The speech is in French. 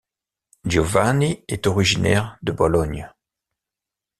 Giovanni est originaire de Bologne.